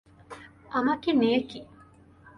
আমাকে নিয়ে কী?